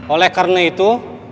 oleh karena itu